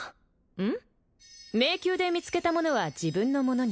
うん？